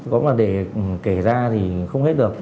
có mà để kể ra thì không hết được